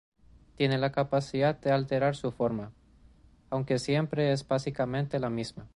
Tiene la capacidad de alterar su forma, aunque siempre es básicamente la misma.